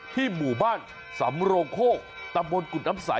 หมู่บ้านสำโรงโคกตำบลกุฎน้ำใส